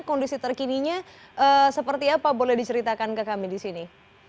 kondisi terkininya seperti apa boleh diceritakan ke kami di sini